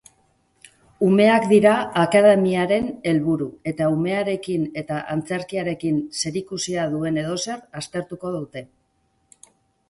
Umeak dira akademiaren helburu eta umearekin eta antzerkiarekin zerikusia duen edozer aztertuko dute.